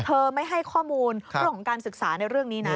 ไม่ให้ข้อมูลเรื่องของการศึกษาในเรื่องนี้นะ